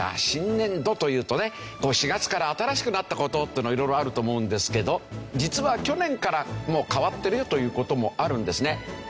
新年度というとね４月から新しくなった事というのが色々あると思うんですけど実は去年からもう変わってるよという事もあるんですね。